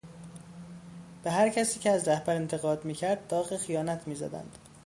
به هر کسی که از رهبر انتقاد میکرد داغ خیانت میزدند.